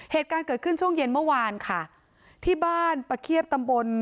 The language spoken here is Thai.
เหตุการณ์เกิดขึ้นช่วงเย็นเมื่อวานค่ะที่บ้านปะเคียบตำบล